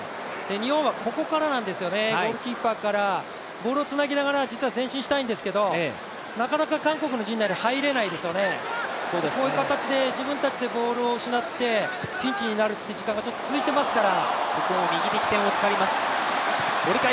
日本はここからなんですよね、ゴールキーパーから、ボールをつなぎながら前進したいんですけど、なかなか韓国の陣内に入れないですよね、こういう形で自分たちでボールを失ってピンチになる時間が続いていますから。